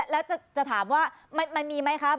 แล้วจะถามว่ามันมีไหมครับ